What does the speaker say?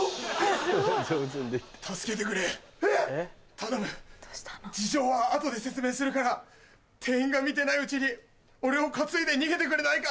頼む事情は後で説明するから店員が見てないうちに俺を担いで逃げてくれないか？